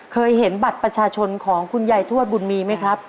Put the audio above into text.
เคยเห็นบัตรประชาชนของคุณยายทวดบุญมีไหมครับ